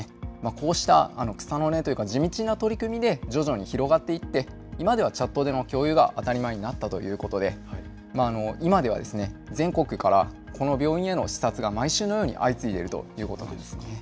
こうした草の根というか、地道な取り組みで徐々に広がっていって、今ではチャットでの共有が当たり前になったということで、今では全国から、この病院への視察が毎週のように相次いでいるということなんです。